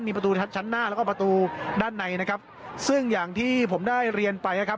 มีประตูทับชั้นหน้าแล้วก็ประตูด้านในนะครับซึ่งอย่างที่ผมได้เรียนไปนะครับ